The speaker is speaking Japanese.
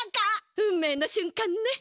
運命のしゅんかんね！